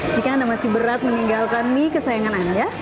jika anda masih berat meninggalkan mie kesayangan anda